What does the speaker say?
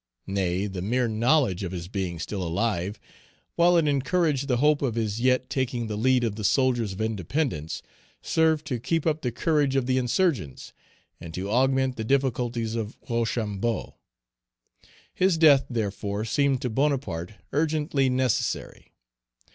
Nay, the mere knowledge Page 284 of his being still alive, while it encouraged the hope of his yet taking the lead of the soldiers of independence, served to keep up the courage of the insurgents, and to augment the difficulties of Rochambeau. His death, therefore, seemed to Bonaparte urgently necessary.